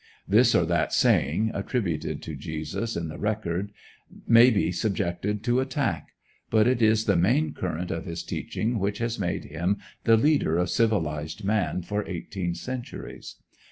This or that saying, attributed to Jesus in the record, maybe subjected to attack; but it is the main current of his teaching which has made him the leader of civilized man for eighteen centuries.